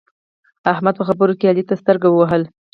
احمد په خبرو کې علي ته سترګه ووهله.